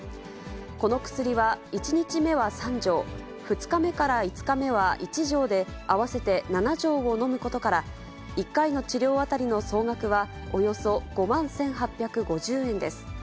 この薬は、１日目は３錠、２日目から５日目は１錠で、合わせて７錠を飲むことから、１回の治療当たりの総額は、およそ５万１８５０円です。